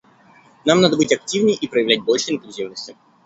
Нам надо быть активней и проявлять больше инклюзивности.